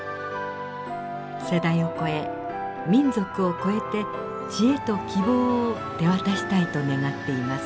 世代を超え民族を超えて知恵と希望を手渡したいと願っています。